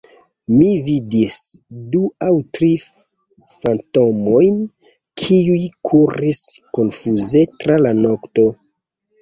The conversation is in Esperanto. Mi vidis du aŭ tri fantomojn, kiuj kuris konfuze tra la nokto.